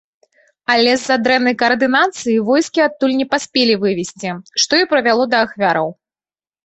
Але з-за дрэннай каардынацыі войскі адтуль не паспелі вывесці, што і прывяло да ахвяраў.